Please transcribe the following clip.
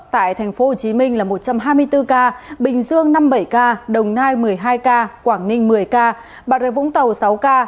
tại tp hcm là một trăm hai mươi bốn ca bình dương năm mươi bảy ca đồng nai một mươi hai ca quảng ninh một mươi ca bà rịa vũng tàu sáu ca